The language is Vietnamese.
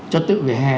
cho tự vỉa hè